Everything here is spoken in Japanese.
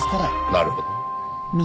なるほど。